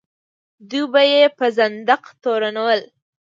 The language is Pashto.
دوی به یې په زندقه تورنول.